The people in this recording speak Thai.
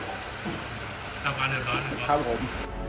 ครอบครับผม